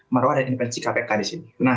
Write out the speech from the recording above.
maruah dan independensi kpk di sini